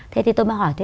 thế thì tôi mới hỏi